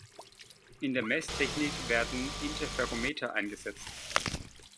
In der Messtechnik werden Interferometer eingesetzt.